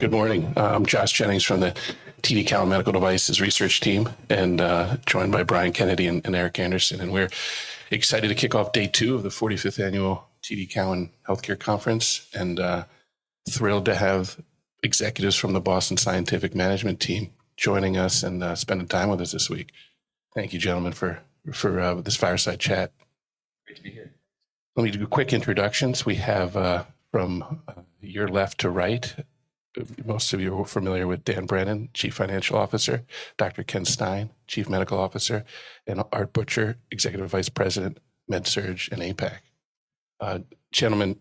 Good morning. I'm Josh Jennings from the TD Cowen Medical Devices Research Team, and joined by Brian Kennedy and Eric Anderson. We're excited to kick off day two of the 45th Annual TD Cowen Healthcare Conference, and thrilled to have executives from the Boston Scientific Management Team joining us and spending time with us this week. Thank you, gentlemen, for this fireside chat. Great to be here. Let me do quick introductions. We have, from your left to right, most of you are familiar with Dan Brennan, Chief Financial Officer; Dr. Ken Stein, Chief Medical Officer; and Art Butcher, Executive Vice President, MedSurg and APAC. Gentlemen,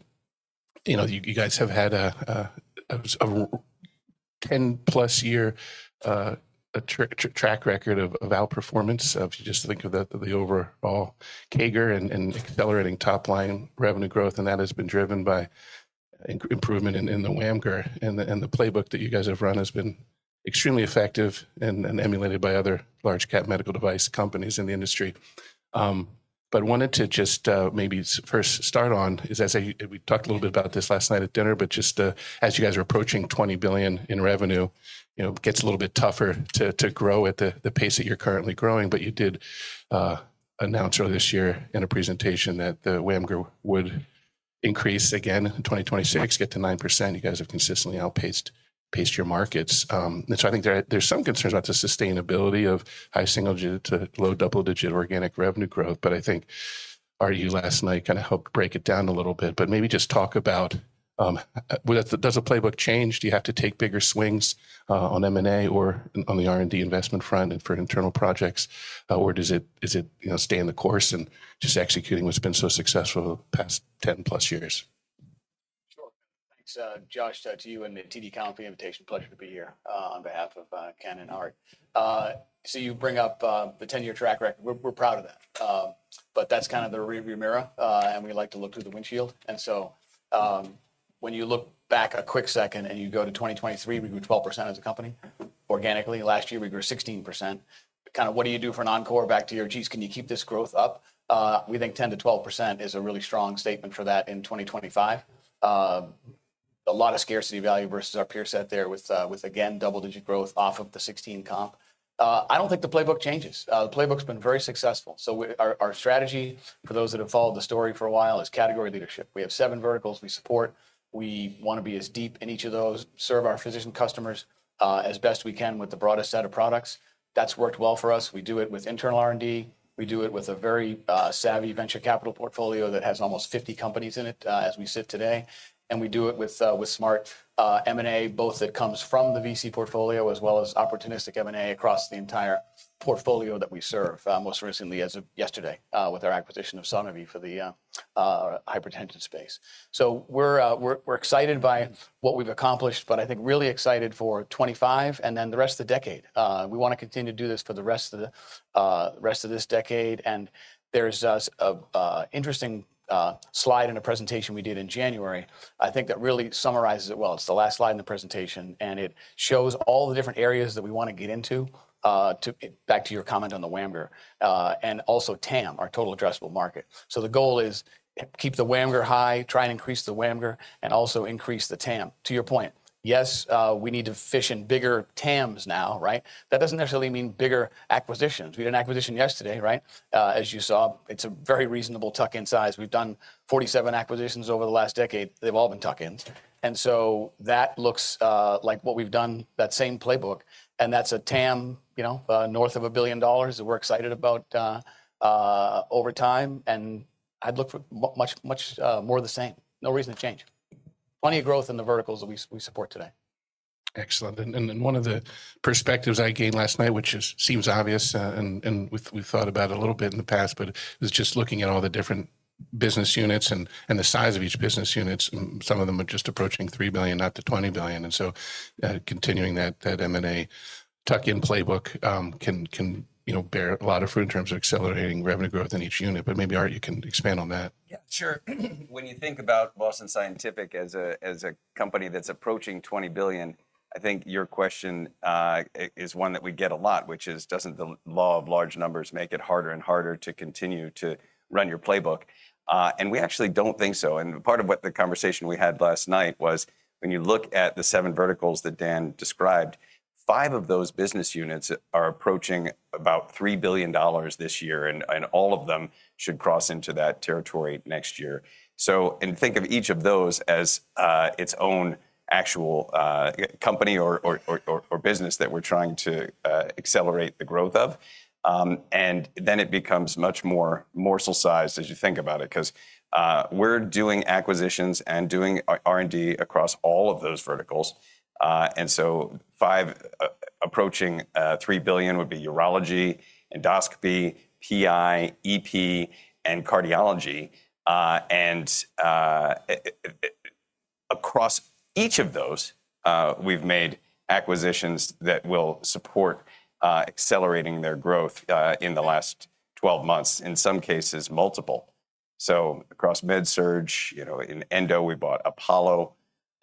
you guys have had a 10-plus year track record of outperformance. If you just think of the overall CAGR and accelerating top-line revenue growth, and that has been driven by improvement in the WAMGR, and the playbook that you guys have run has been extremely effective and emulated by other large-cap medical device companies in the industry, but I wanted to just maybe first start on, as we talked a little bit about this last night at dinner, but just as you guys are approaching $20 billion in revenue, it gets a little bit tougher to grow at the pace that you're currently growing. But you did announce early this year in a presentation that the WAMGR would increase again in 2026, get to 9%. You guys have consistently outpaced your markets. And so I think there's some concerns about the sustainability of high single-digit to low double-digit organic revenue growth. But I think Art you last night kind of helped break it down a little bit. But maybe just talk about, does the playbook change? Do you have to take bigger swings on M&A or on the R&D investment front for internal projects? Or does it stay in the course and just executing what's been so successful the past 10-plus years? Sure. Thanks, Josh, to you and the TD Cowen for the invitation. Pleasure to be here on behalf of Ken and Art. So you bring up the 10-year track record. We're proud of that. But that's kind of the rearview mirror, and we like to look through the windshield. And so when you look back a quick second and you go to 2023, we grew 12% as a company. Organically, last year, we grew 16%. Kind of what do you do for an encore back to your, geez, can you keep this growth up? We think 10%-12% is a really strong statement for that in 2025. A lot of scarcity value versus our peer set there with, again, double-digit growth off of the '16 comp. I don't think the playbook changes. The playbook's been very successful. So our strategy, for those that have followed the story for a while, is category leadership. We have seven verticals we support. We want to be as deep in each of those, serve our physician customers as best we can with the broadest set of products. That's worked well for us. We do it with internal R&D. We do it with a very savvy venture capital portfolio that has almost 50 companies in it as we sit today. And we do it with smart M&A, both that comes from the VC portfolio as well as opportunistic M&A across the entire portfolio that we serve, most recently as of yesterday with our acquisition of SoniVie for the hypertension space. So we're excited by what we've accomplished, but I think really excited for 2025 and then the rest of the decade. We want to continue to do this for the rest of this decade. And there's an interesting slide in a presentation we did in January, I think, that really summarizes it well. It's the last slide in the presentation, and it shows all the different areas that we want to get into, back to your comment on the WAMGR, and also TAM, our total addressable market. So the goal is keep the WAMGR high, try and increase the WAMGR, and also increase the TAM. To your point, yes, we need to fish in bigger TAMs now, right? That doesn't necessarily mean bigger acquisitions. We had an acquisition yesterday, right? As you saw, it's a very reasonable tuck-in size. We've done 47 acquisitions over the last decade. They've all been tuck-ins. And so that looks like what we've done, that same playbook. And that's a TAM north of $1 billion that we're excited about over time. And I'd look for much more of the same. No reason to change. Plenty of growth in the verticals that we support today. Excellent. And one of the perspectives I gained last night, which seems obvious, and we've thought about it a little bit in the past, but it was just looking at all the different business units and the size of each business unit. Some of them are just approaching $3 billion, not to $20 billion. And so continuing that M&A tuck-in playbook can bear a lot of fruit in terms of accelerating revenue growth in each unit. But maybe, Art, you can expand on that. Yeah, sure. When you think about Boston Scientific as a company that's approaching $20 billion, I think your question is one that we get a lot, which is, doesn't the law of large numbers make it harder and harder to continue to run your playbook? And we actually don't think so. And part of what the conversation we had last night was, when you look at the seven verticals that Dan described, five of those business units are approaching about $3 billion this year, and all of them should cross into that territory next year. So think of each of those as its own actual company or business that we're trying to accelerate the growth of. And then it becomes much more morsel-sized as you think about it, because we're doing acquisitions and doing R&D across all of those verticals. Five approaching $3 billion would be urology, endoscopy, PI, EP, and cardiology. Across each of those, we've made acquisitions that will support accelerating their growth in the last 12 months, in some cases multiple. Across MedSurg, in Endo, we bought Apollo,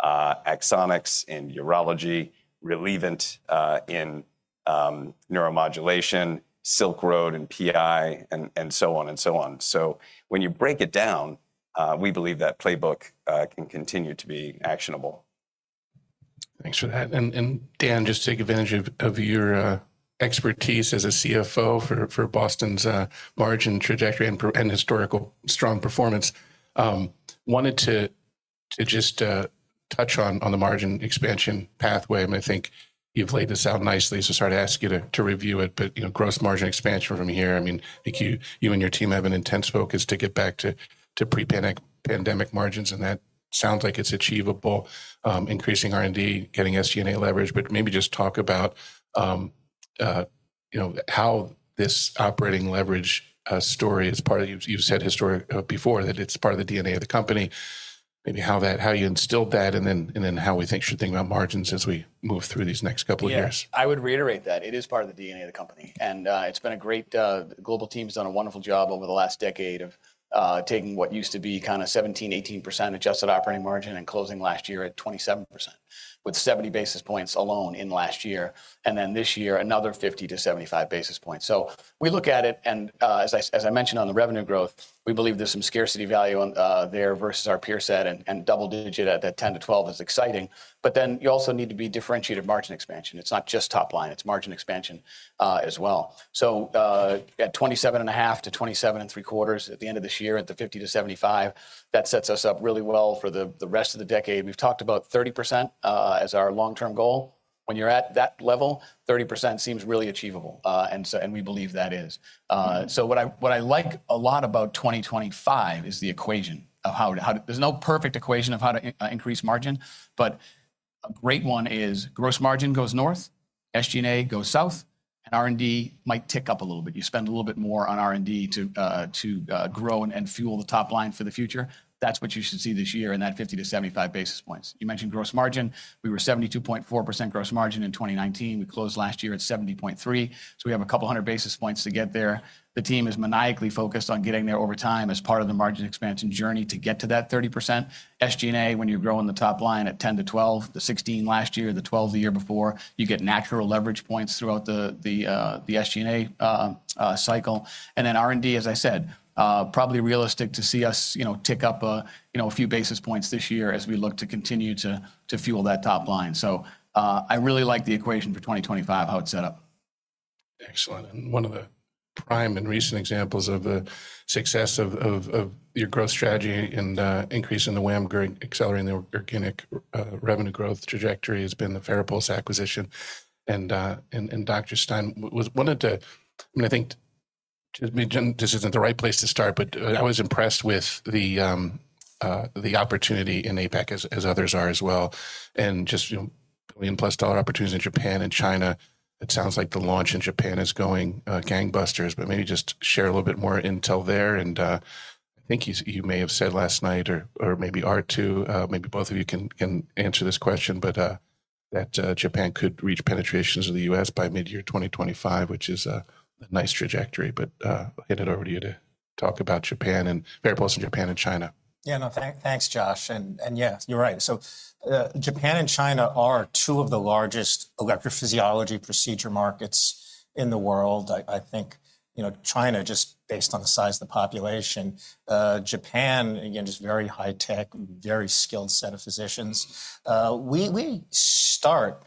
Axonics in urology, Relievant in neuromodulation, Silk Road in PI, and so on and so on. When you break it down, we believe that playbook can continue to be actionable. Thanks for that. And Dan, just to take advantage of your expertise as a CFO for Boston's margin trajectory and historical strong performance, wanted to just touch on the margin expansion pathway. And I think you've laid this out nicely, so sorry to ask you to review it. But gross margin expansion from here, I mean, you and your team have an intense focus to get back to pre-pandemic margins, and that sounds like it's achievable, increasing R&D, getting SG&A leverage. But maybe just talk about how this operating leverage story is part of you've said historically before that it's part of the DNA of the company, maybe how you instilled that, and then how we should think about margins as we move through these next couple of years. Yeah, I would reiterate that. It is part of the DNA of the company. It's been a great global team that has done a wonderful job over the last decade of taking what used to be kind of 17%-18% adjusted operating margin and closing last year at 27% with 70 basis points alone in last year. Then this year, another 50-75 basis points. We look at it, and as I mentioned on the revenue growth, we believe there's some scarcity value there versus our peer set, and double-digit at that 10%-12% is exciting. You also need to be differentiated margin expansion. It's not just top line. It's margin expansion as well. At 27.5%-27.75% at the end of this year at the 50-75 basis points, that sets us up really well for the rest of the decade. We've talked about 30% as our long-term goal. When you're at that level, 30% seems really achievable, and we believe that is. So what I like a lot about 2025 is the equation of how to increase margin. There's no perfect equation of how to increase margin. But a great one is gross margin goes north, SG&A goes south, and R&D might tick up a little bit. You spend a little bit more on R&D to grow and fuel the top line for the future. That's what you should see this year in that 50 to 75 basis points. You mentioned gross margin. We were 72.4% gross margin in 2019. We closed last year at 70.3%. So we have a couple hundred basis points to get there. The team is maniacally focused on getting there over time as part of the margin expansion journey to get to that 30%. SG&A, when you grow on the top line at 10%-12%, the 16% last year, the 12% the year before, you get natural leverage points throughout the SG&A cycle. And then R&D, as I said, probably realistic to see us tick up a few basis points this year as we look to continue to fuel that top line. So I really like the equation for 2025, how it's set up. Excellent. And one of the prime and recent examples of the success of your growth strategy and increase in the WAMGR, accelerating the organic revenue growth trajectory, has been the FARAPULSE acquisition. And Dr. Stein, I mean, I think this isn't the right place to start, but I was impressed with the opportunity in APAC, as others are as well, and just billion-plus dollar opportunities in Japan and China. It sounds like the launch in Japan is going gangbusters. But maybe just share a little bit more intel there. And I think you may have said last night, or maybe Art too, maybe both of you can answer this question, but that Japan could reach penetrations in the US by mid-year 2025, which is a nice trajectory. But I'll hand it over to you to talk about Japan and FARAPULSE in Japan and China. Yeah, no, thanks, Josh. And yeah, you're right. So Japan and China are two of the largest electrophysiology procedure markets in the world. I think China, just based on the size of the population, Japan, again, just very high-tech, very skilled set of physicians. We start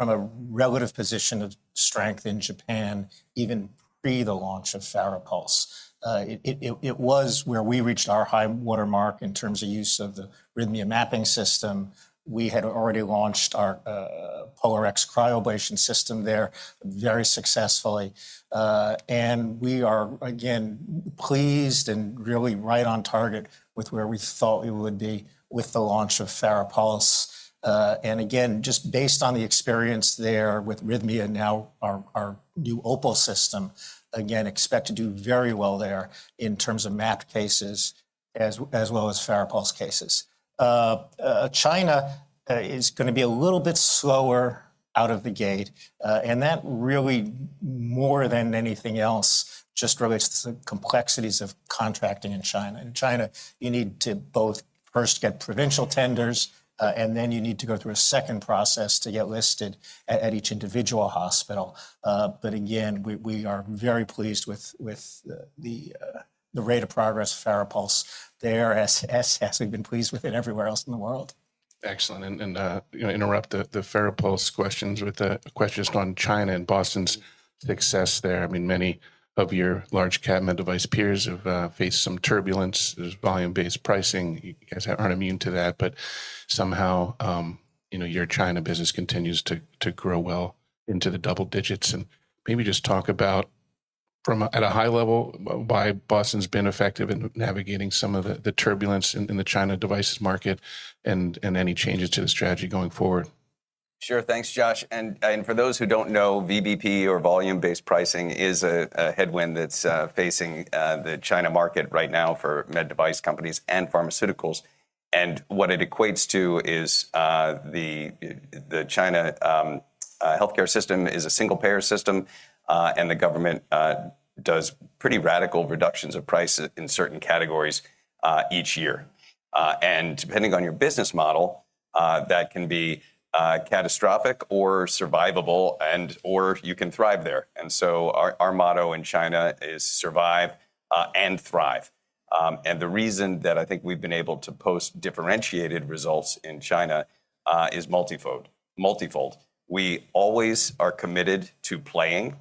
from a relative position of strength in Japan even pre the launch of FARAPULSE. It was where we reached our high watermark in terms of use of the RHYTHMIA mapping system. We had already launched our POLARx cryoablation system there very successfully. And we are, again, pleased and really right on target with where we thought we would be with the launch of FARAPULSE. And again, just based on the experience there with RHYTHMIA and now our new OPAL system, again, expect to do very well there in terms of MAP cases as well as FARAPULSE cases. China is going to be a little bit slower out of the gate. And that really, more than anything else, just relates to the complexities of contracting in China. In China, you need to both first get provincial tenders, and then you need to go through a second process to get listed at each individual hospital. But again, we are very pleased with the rate of progress of FARAPULSE there, as we've been pleased with it everywhere else in the world. Excellent. And I'll interrupt the FARAPULSE questions with a question just on China and Boston's success there. I mean, many of your large cap device peers have faced some turbulence. There's volume-based pricing. You guys aren't immune to that. But somehow, your China business continues to grow well into the double digits. And maybe just talk about, at a high level, why Boston's been effective in navigating some of the turbulence in the China devices market and any changes to the strategy going forward. Sure. Thanks, Josh. And for those who don't know, VBP or volume-based pricing is a headwind that's facing the China market right now for med device companies and pharmaceuticals. And what it equates to is the China healthcare system is a single-payer system, and the government does pretty radical reductions of prices in certain categories each year. And depending on your business model, that can be catastrophic or survivable, and/or you can thrive there. And so our motto in China is survive and thrive. And the reason that I think we've been able to post differentiated results in China is multifold. We always are committed to playing.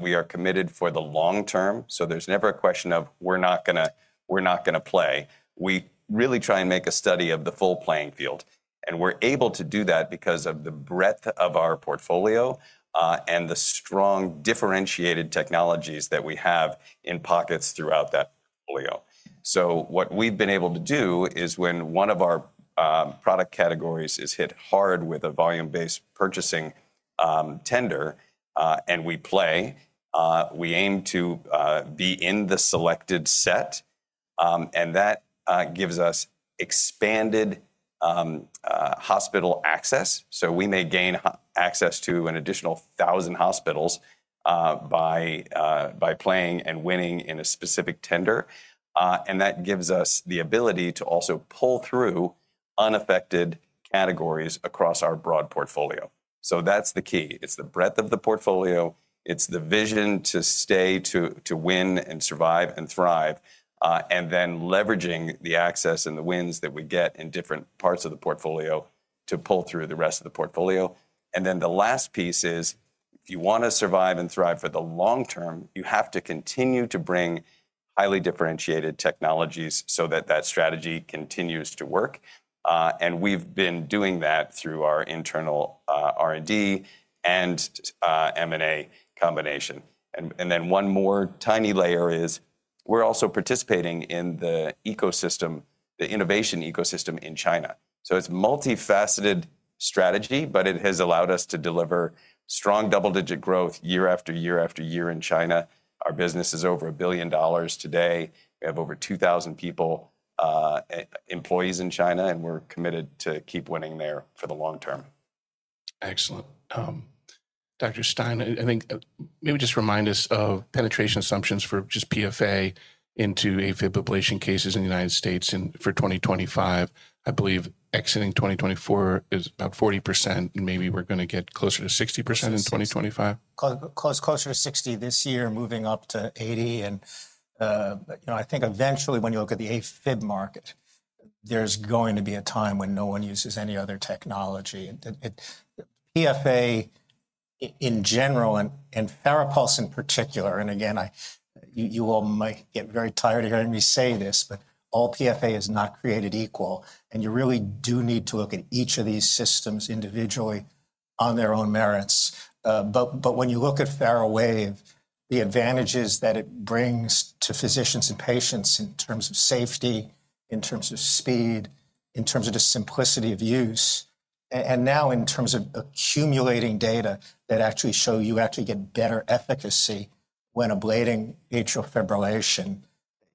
We are committed for the long term. So there's never a question of, "We're not going to play." We really try and make a study of the full playing field. And we're able to do that because of the breadth of our portfolio and the strong differentiated technologies that we have in pockets throughout that portfolio. So what we've been able to do is when one of our product categories is hit hard with a volume-based purchasing tender and we play, we aim to be in the selected set. And that gives us expanded hospital access. So we may gain access to an additional 1,000 hospitals by playing and winning in a specific tender. And that gives us the ability to also pull through unaffected categories across our broad portfolio. So that's the key. It's the breadth of the portfolio. It's the vision to stay, to win, and survive, and thrive, and then leveraging the access and the wins that we get in different parts of the portfolio to pull through the rest of the portfolio. And then the last piece is, if you want to survive and thrive for the long term, you have to continue to bring highly differentiated technologies so that that strategy continues to work. And we've been doing that through our internal R&D and M&A combination. And then one more tiny layer is we're also participating in the ecosystem, the innovation ecosystem in China. So it's a multifaceted strategy, but it has allowed us to deliver strong double-digit growth year after year after year in China. Our business is over $1 billion today. We have over 2,000 people, employees in China, and we're committed to keep winning there for the long term. Excellent. Dr. Stein, I think maybe just remind us of penetration assumptions for just PFA into AFib ablation cases in the United States for 2025. I believe exiting 2024 is about 40%, and maybe we're going to get closer to 60% in 2025. Closer to 60 this year, moving up to 80. I think eventually, when you look at the AFib market, there's going to be a time when no one uses any other technology. PFA in general and FARAPULSE in particular, and again, you all might get very tired of hearing me say this, but all PFA is not created equal. You really do need to look at each of these systems individually on their own merits. When you look at FARAWAVE, the advantages that it brings to physicians and patients in terms of safety, in terms of speed, in terms of the simplicity of use, and now in terms of accumulating data that actually show you actually get better efficacy when ablating atrial fibrillation,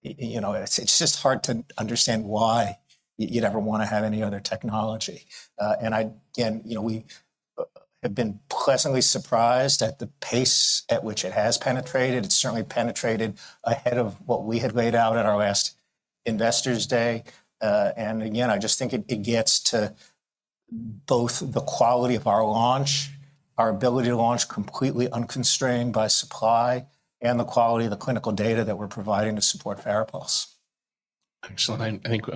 it's just hard to understand why you'd ever want to have any other technology. And again, we have been pleasantly surprised at the pace at which it has penetrated. It's certainly penetrated ahead of what we had laid out at our last investors' day. And again, I just think it gets to both the quality of our launch, our ability to launch completely unconstrained by supply, and the quality of the clinical data that we're providing to support FARAPULSE. Excellent. I think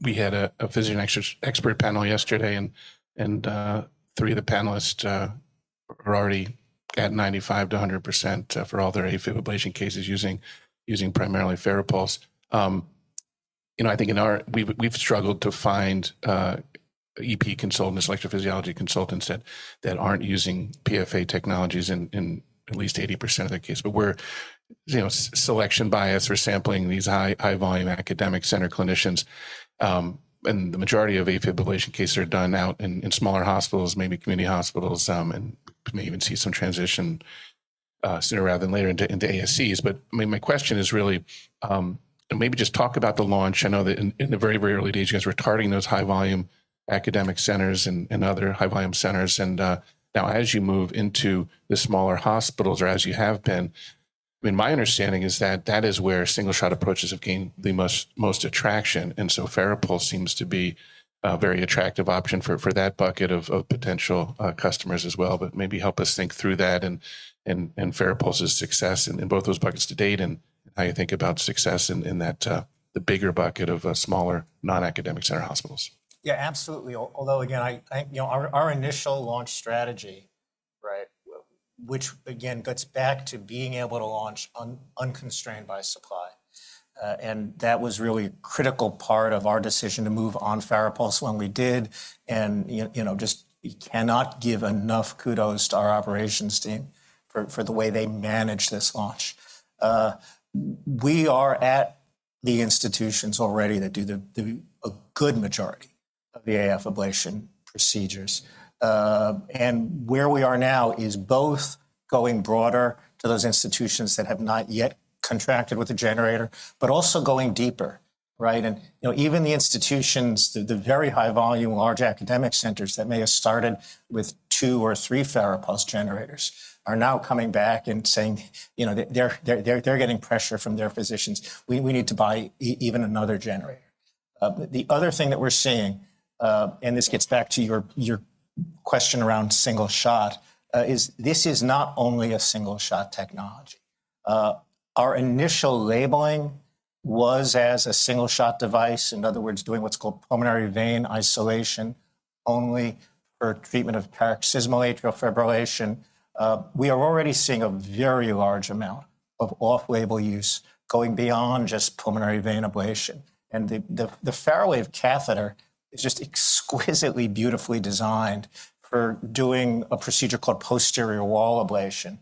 we had a physician expert panel yesterday, and three of the panelists are already at 95%-100% for all their AFib ablation cases using primarily FARAPULSE. I think we've struggled to find EP consultants, electrophysiology consultants that aren't using PFA technologies in at least 80% of their case, but we're selection bias or sampling these high-volume academic center clinicians, and the majority of AFib ablation cases are done out in smaller hospitals, maybe community hospitals, and we may even see some transition sooner rather than later into ASCs, but my question is really, maybe just talk about the launch. I know that in the very, very early days, you guys were targeting those high-volume academic centers and other high-volume centers. And now, as you move into the smaller hospitals or as you have been, my understanding is that that is where single-shot approaches have gained the most attraction. And so FARAPULSE seems to be a very attractive option for that bucket of potential customers as well. But maybe help us think through that and FARAPULSE's success in both those buckets to date and how you think about success in the bigger bucket of smaller non-academic center hospitals. Yeah, absolutely. Although, again, our initial launch strategy, which again gets back to being able to launch unconstrained by supply, and that was really a critical part of our decision to move on FARAPULSE when we did, and just we cannot give enough kudos to our operations team for the way they managed this launch. We are at the institutions already that do a good majority of the AF ablation procedures, and where we are now is both going broader to those institutions that have not yet contracted with a generator, but also going deeper, and even the institutions, the very high-volume, large academic centers that may have started with two or three FARAPULSE generators are now coming back and saying they're getting pressure from their physicians. We need to buy even another generator. The other thing that we're seeing, and this gets back to your question around single shot, is this is not only a single-shot technology. Our initial labeling was as a single-shot device, in other words, doing what's called pulmonary vein isolation only for treatment of paroxysmal atrial fibrillation. We are already seeing a very large amount of off-label use going beyond just pulmonary vein ablation. And the FARAWAVE catheter is just exquisitely beautifully designed for doing a procedure called posterior wall ablation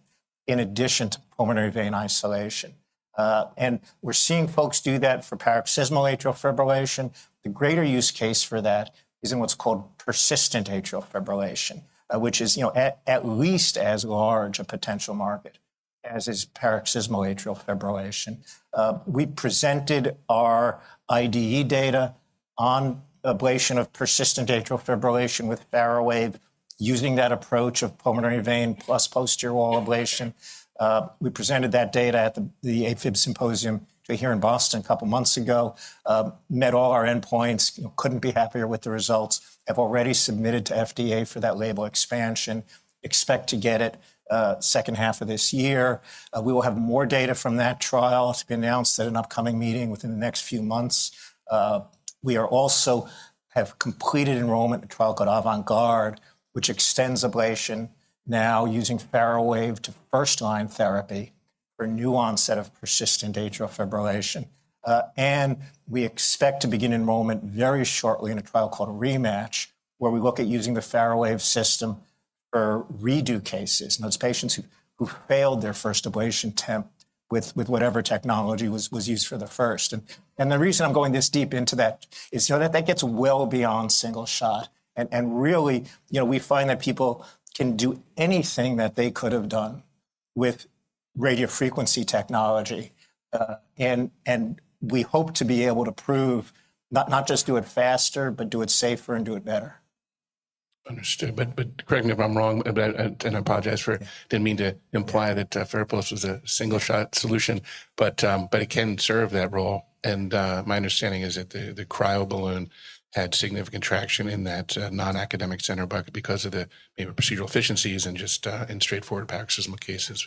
in addition to pulmonary vein isolation. And we're seeing folks do that for paroxysmal atrial fibrillation. The greater use case for that is in what's called persistent atrial fibrillation, which is at least as large a potential market as is paroxysmal atrial fibrillation. We presented our IDE data on ablation of persistent atrial fibrillation with FARAWAVE using that approach of pulmonary vein plus posterior wall ablation. We presented that data at the AFib Symposium here in Boston a couple of months ago, met all our endpoints, couldn't be happier with the results, have already submitted to FDA for that label expansion, expect to get it second half of this year. We will have more data from that trial. It's been announced at an upcoming meeting within the next few months. We also have completed enrollment in a trial called AVANT GUARD, which extends ablation now using FARAWAVE to first-line therapy for a new onset of persistent atrial fibrillation. And we expect to begin enrollment very shortly in a trial called REMATCH, where we look at using the FARAWAVE system for redo cases. It's patients who failed their first ablation attempt with whatever technology was used for the first. And the reason I'm going this deep into that is that that gets well beyond single shot. And really, we find that people can do anything that they could have done with radiofrequency technology. And we hope to be able to prove not just do it faster, but do it safer and do it better. Understood. But correct me if I'm wrong, and I apologize. I didn't mean to imply that FARAPULSE was a single-shot solution, but it can serve that role. And my understanding is that the cryo balloon had significant traction in that non-academic center bucket because of the procedural efficiencies and just in straightforward paroxysmal cases.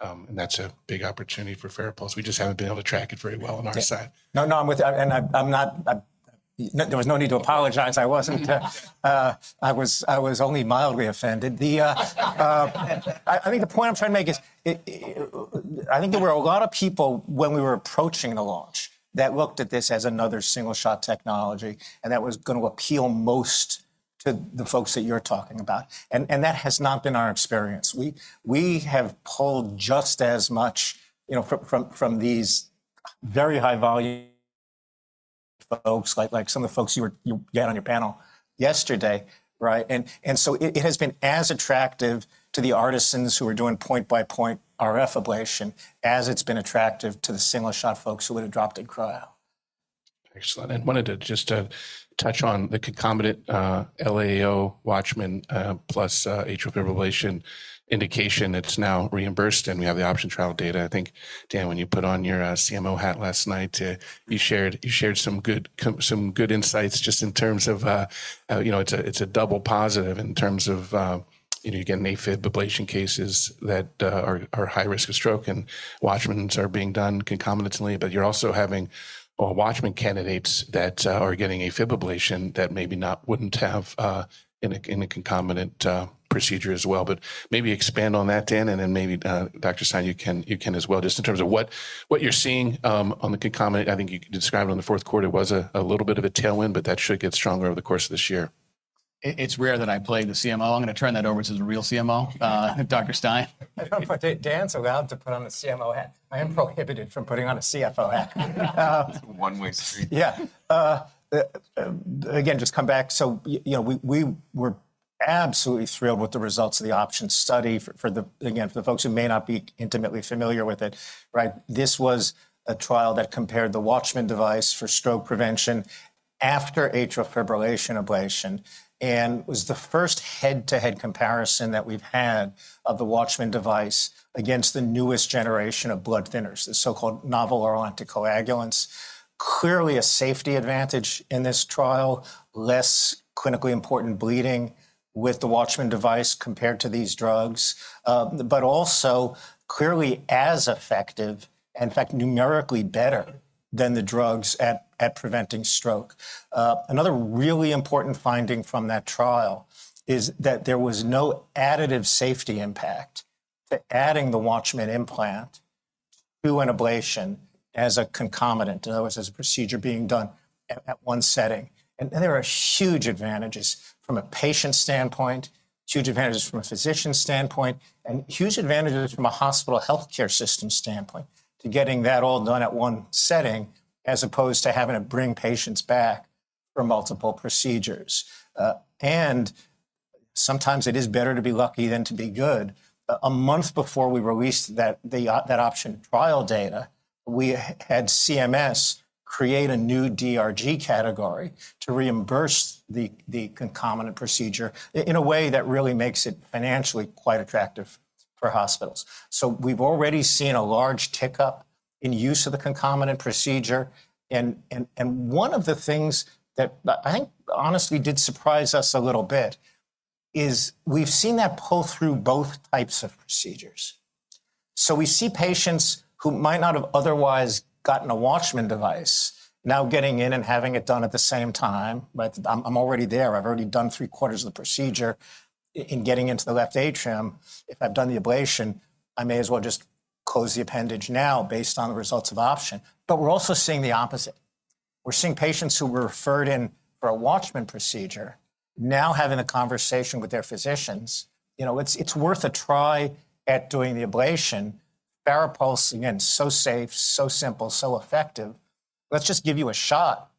And that's a big opportunity for FARAPULSE. We just haven't been able to track it very well on our side. No, no. And there was no need to apologize. I was only mildly offended. I think the point I'm trying to make is I think there were a lot of people when we were approaching the launch that looked at this as another single-shot technology, and that was going to appeal most to the folks that you're talking about. And that has not been our experience. We have pulled just as much from these very high-volume folks, like some of the folks you had on your panel yesterday. And so it has been as attractive to the artisans who are doing point-by-point RF ablation as it's been attractive to the single-shot folks who would have dropped and cryo. Excellent. I wanted to just touch on the concomitant LAAO WATCHMAN plus atrial fibrillation indication. It's now reimbursed, and we have the OPTION trial data. I think, Dan, when you put on your CMO hat last night, you shared some good insights just in terms of it's a double positive in terms of you get an AFib ablation cases that are high risk of stroke, and WATCHMANS are being done concomitantly. But you're also having WATCHMAN candidates that are getting AFib ablation that maybe wouldn't have in a concomitant procedure as well. But maybe expand on that, Dan, and then maybe, Dr. Stein, you can as well just in terms of what you're seeing on the concomitant. I think you described on the fourth quarter, it was a little bit of a tailwind, but that should get stronger over the course of this year. It's rare that I play the CMO. I'm going to turn that over to the real CMO, Dr. Stein. I don't know if Dan's allowed to put on the CMO hat. I am prohibited from putting on a CFO hat. One-way street. Yeah. Again, just come back. So we were absolutely thrilled with the results of the OPTION study. Again, for the folks who may not be intimately familiar with it, this was a trial that compared the WATCHMAN device for stroke prevention after atrial fibrillation ablation. And it was the first head-to-head comparison that we've had of the WATCHMAN device against the newest generation of blood thinners, the so-called novel oral anticoagulants. Clearly a safety advantage in this trial, less clinically important bleeding with the WATCHMAN device compared to these drugs, but also clearly as effective and, in fact, numerically better than the drugs at preventing stroke. Another really important finding from that trial is that there was no additive safety impact to adding the WATCHMAN implant to an ablation as a concomitant, in other words, as a procedure being done at one setting. There are huge advantages from a patient standpoint, huge advantages from a physician standpoint, and huge advantages from a hospital healthcare system standpoint to getting that all done at one setting as opposed to having to bring patients back for multiple procedures. Sometimes it is better to be lucky than to be good. A month before we released that OPTION trial data, we had CMS create a new DRG category to reimburse the concomitant procedure in a way that really makes it financially quite attractive for hospitals. So we've already seen a large tick up in use of the concomitant procedure. One of the things that I think honestly did surprise us a little bit is we've seen that pull through both types of procedures. So we see patients who might not have otherwise gotten a WATCHMAN device now getting in and having it done at the same time. I'm already there. I've already done three-quarters of the procedure in getting into the left atrium. If I've done the ablation, I may as well just close the appendage now based on the results of OPTION. But we're also seeing the opposite. We're seeing patients who were referred in for a WATCHMAN procedure now having a conversation with their physicians. It's worth a try at doing the ablation. FARAPULSE, again, so safe, so simple, so effective. Let's just give you a shot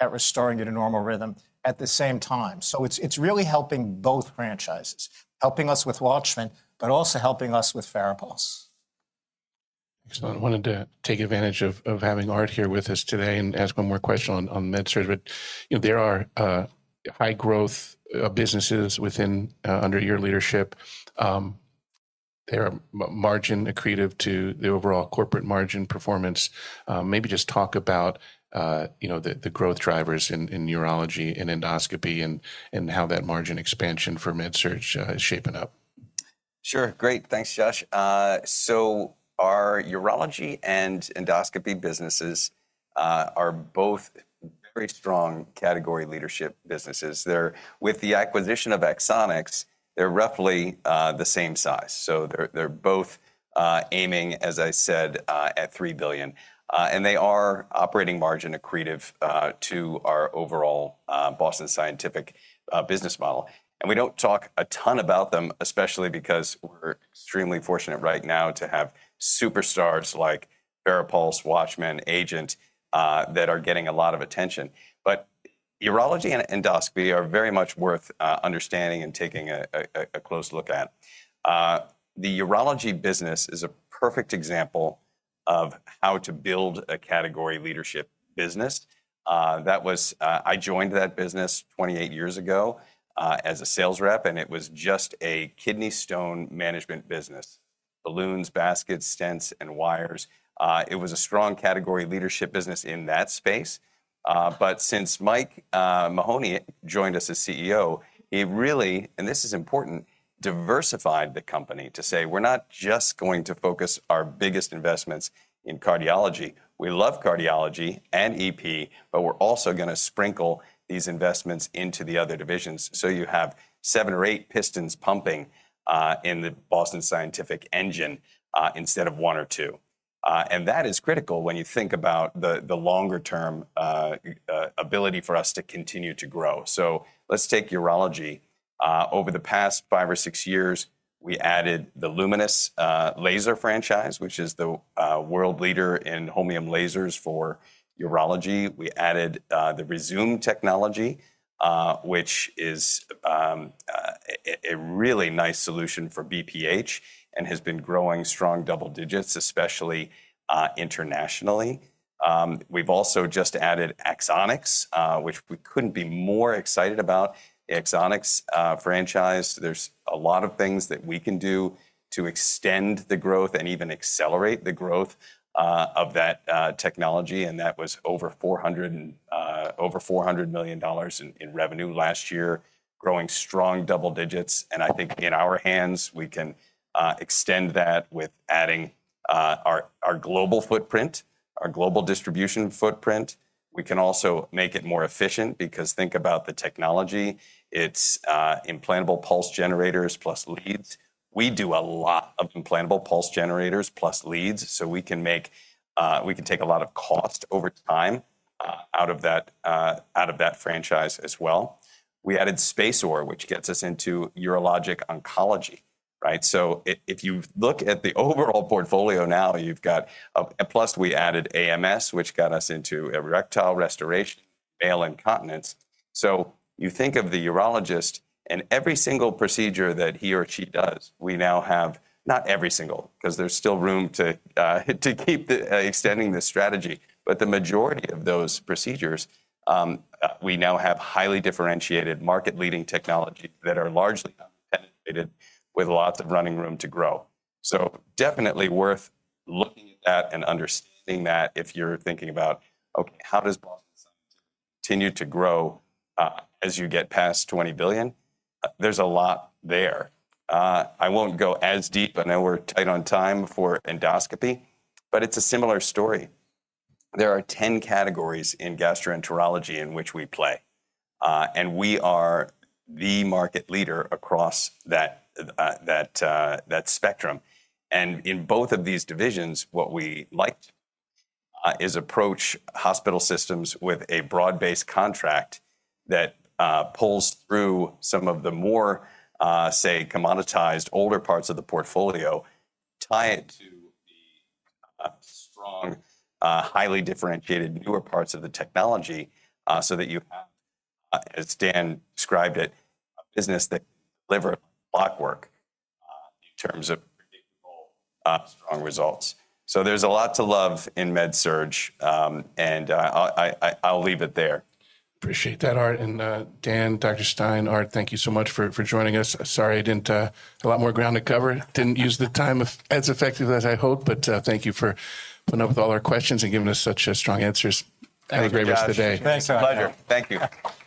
at restoring you to normal rhythm at the same time. So it's really helping both franchises, helping us with WATCHMAN, but also helping us with FARAPULSE. Excellent. I wanted to take advantage of having Art here with us today and ask one more question on MedSurg. But there are high-growth businesses under your leadership. They are margin accretive to the overall corporate margin performance. Maybe just talk about the growth drivers in urology and endoscopy and how that margin expansion for MedSurg is shaping up. Sure. Great. Thanks, Josh. So our urology and endoscopy businesses are both very strong category leadership businesses. With the acquisition of Axonics, they're roughly the same size. So they're both aiming, as I said, at $3 billion. And they are operating margin accretive to our overall Boston Scientific business model. And we don't talk a ton about them, especially because we're extremely fortunate right now to have superstars like FARAPULSE, WATCHMAN, AGENT that are getting a lot of attention. But urology and endoscopy are very much worth understanding and taking a close look at. The urology business is a perfect example of how to build a category leadership business. I joined that business 28 years ago as a sales rep, and it was just a kidney stone management business, balloons, baskets, stents, and wires. It was a strong category leadership business in that space. But since Mike Mahoney joined us as CEO, he really, and this is important, diversified the company to say, we're not just going to focus our biggest investments in cardiology. We love cardiology and EP, but we're also going to sprinkle these investments into the other divisions. So you have seven or eight pistons pumping in the Boston Scientific engine instead of one or two. And that is critical when you think about the longer-term ability for us to continue to grow. So let's take urology. Over the past five or six years, we added the Lumenis laser franchise, which is the world leader in holmium lasers for urology. We added the Rezūm technology, which is a really nice solution for BPH and has been growing strong double digits, especially internationally. We've also just added Axonics, which we couldn't be more excited about, the Axonics franchise. There's a lot of things that we can do to extend the growth and even accelerate the growth of that technology. That was over $400 million in revenue last year, growing strong double digits. I think in our hands, we can extend that with adding our global footprint, our global distribution footprint. We can also make it more efficient because think about the technology. It's implantable pulse generators plus leads. We do a lot of implantable pulse generators plus leads. So we can take a lot of cost over time out of that franchise as well. We added SpaceOAR, which gets us into urologic oncology. If you look at the overall portfolio now, plus we added AMS, which got us into erectile restoration, male incontinence. So you think of the urologist and every single procedure that he or she does, we now have not every single because there's still room to keep extending the strategy. But the majority of those procedures, we now have highly differentiated market-leading technology that are largely penetrated with lots of running room to grow. So definitely worth looking at that and understanding that if you're thinking about, okay, how does Boston Scientific continue to grow as you get past $20 billion? There's a lot there. I won't go as deep, and I know we're tight on time for endoscopy, but it's a similar story. There are 10 categories in gastroenterology in which we play. And we are the market leader across that spectrum. In both of these divisions, what we liked is approach hospital systems with a broad-based contract that pulls through some of the more, say, commoditized older parts of the portfolio, tie it to the strong, highly differentiated newer parts of the technology so that you have, as Dan described it, a business that can deliver lockwork in terms of predictable, strong results. So there's a lot to love in MedSurg, and I'll leave it there. Appreciate that, Art. And Dan, Dr. Stein, Art, thank you so much for joining us. Sorry, I didn't have a lot more ground to cover. Didn't use the time as effectively as I hoped, but thank you for putting up with all our questions and giving us such strong answers. Have a great rest of the day. Thanks. Pleasure. Thank you.